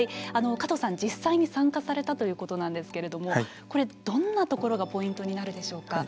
加藤さん、実際に参加されたということなんですけれどもこれ、どんなところがポイントになるでしょうか。